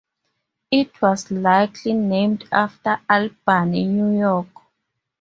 It was likely named after Albany, New York.